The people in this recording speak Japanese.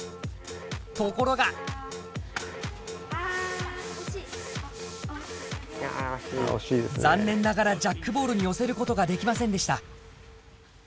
ところがざんねんながらジャックボールによせることができませんでした